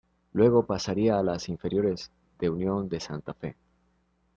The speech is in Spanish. Luego pasaría a las inferiores de Unión de Santa Fe.